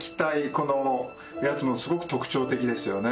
このやつもすごく特徴的ですよね